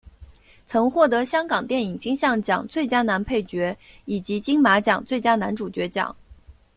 曾获得香港电影金像奖最佳男配角以及金马奖最佳男主角奖。